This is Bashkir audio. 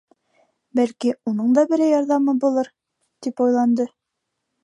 Бәлки, уның да берәй ярҙамы булыр, тип уйланды.